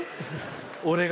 俺が。